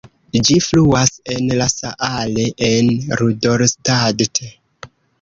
Ĝi fluas en la Saale en Rudolstadt.